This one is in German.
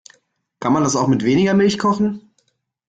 Kann man das auch mit weniger Milch kochen?